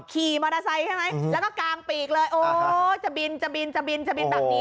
ขี่มอเตอร์ไซค์ใช่ไหมแล้วก็กางปีกเลยโอ้จะบินจะบินจะบินจะบินแบบนี้